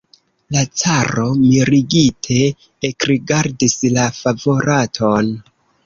La caro mirigite ekrigardis la favoraton.